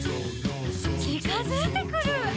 「ちかづいてくる！」